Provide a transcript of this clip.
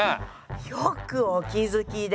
よくお気付きで！